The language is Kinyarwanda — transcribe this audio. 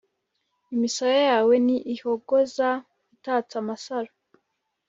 Imisaya yawe ni ihogoza, itatse amasaro,